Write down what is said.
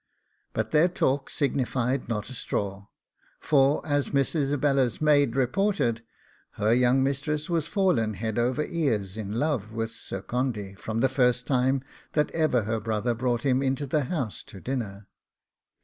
But their talk signified not a straw, for as Miss Isabella's maid reported, her young mistress was fallen over head and ears in love with Sir Condy from the first time that ever her brother brought him into the house to dinner.